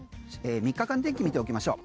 ３日間天気見ておきましょう。